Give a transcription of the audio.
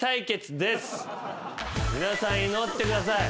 皆さん祈ってください。